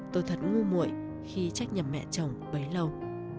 tôi thật ngu mụi khi trách nhầm mẹ chồng bấy lâu